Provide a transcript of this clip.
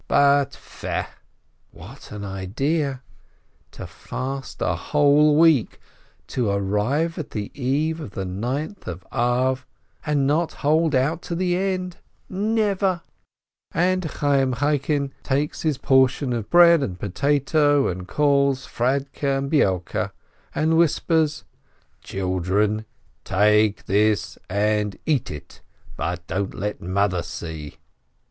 But fie, what an idea ! To fast a whole week, to arrive at the eve of the Ninth of Ab, and not hold out to the end ! Never ! And Chayyim Chaikin takes his portion of bread and potato, calls Fradke and Beilke, and whispers : "Children, take this and eat it, but don't let Mother see!"